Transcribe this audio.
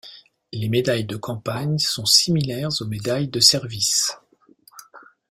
Les médailles de campagnes sont similaires aux médailles de services.